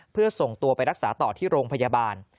เพื่อส่งตัวไปรักษาต่อที่โรงพยาบาล